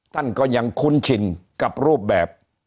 ท่านก็ยังคุ้นชินกับรูปแบบ